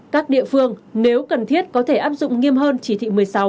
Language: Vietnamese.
các địa phương nếu cần thiết có thể áp dụng nghiêm hơn chỉ thị một mươi sáu